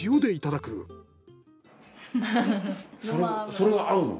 それは合うの？